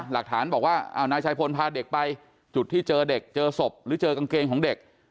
หลักฐานบอกว่านายชายพลพาเด็กไปจุดที่เจอเด็กเจอศพหรือเจอกางเกงของเด็ก